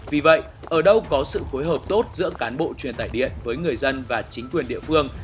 vì vậy ở đâu có sự phối hợp tốt giữa cán bộ truyền tải điện với người dân và chính quyền địa phương